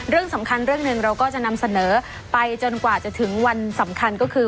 เรื่องสำคัญเรื่องหนึ่งเราก็จะนำเสนอไปจนกว่าจะถึงวันสำคัญก็คือ